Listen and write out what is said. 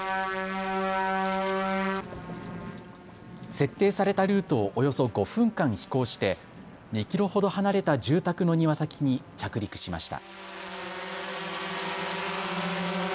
設定されたルートをおよそ５分間飛行して２キロほど離れた住宅の庭先に着陸しました。